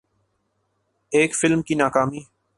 ایک فلم کی ناکامی